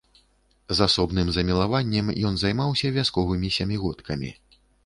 З асобным замілаваннем ён займаўся вясковымі сямігодкамі.